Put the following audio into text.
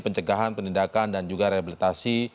pencegahan penindakan dan juga rehabilitasi